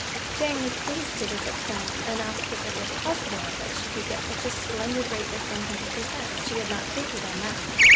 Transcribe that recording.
Jane was pleased to this extent, and asked if it were possible that she could get such a splendid rate as one hundred per cent. She had not figured on that!